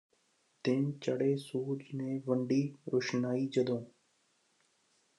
ਦਿਨ ਚੜੇ ਸੂਰਜ ਨੇ ਵੰਡੀ ਰੁਸ਼ਨਾਈ ਜਦੋਂ